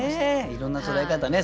いろんな捉え方ね